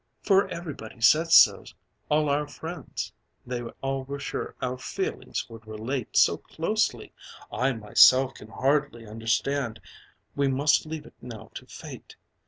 "For everybody said so, all our friends, They all were sure our feelings would relate So closely! I myself can hardly understand. We must leave it now to fate.